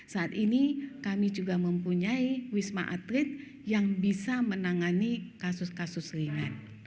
saat ini kami juga mempunyai wisma atlet yang bisa menangani kasus kasus ringan